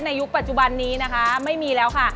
ยุคปัจจุบันนี้นะคะไม่มีแล้วค่ะ